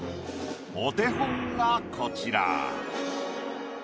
お手本がこちら。